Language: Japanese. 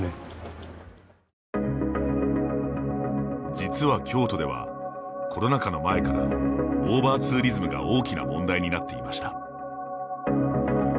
実は京都ではコロナ禍の前からオーバーツーリズムが大きな問題になっていました。